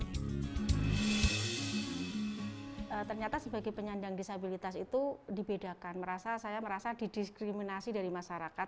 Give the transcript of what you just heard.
ternyata sebagai penyandang disabilitas itu dibedakan saya merasa didiskriminasi dari masyarakat